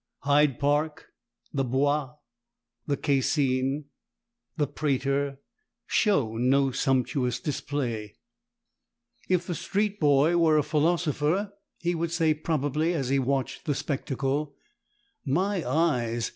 Hyde Park, the Bois, the Cascine, the Prater, show no such sumptuous display. If the street boy were a philosopher, he would say, probably, as he watched the spectacle, "My eyes!